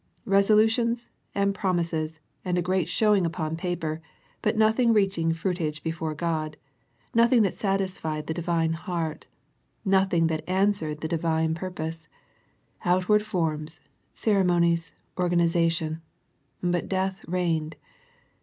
Resolutions, and promises, and a great showing upon paper, but nothing reaching fruitage before God, nothing that satisfied the Divine heart, nothing that answered the Divine The Sardis Letter 139 purpose. Outward forms, ceremonies, organi zation; but death reigned.